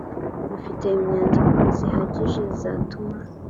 rufite inyandiko zihagije zatuma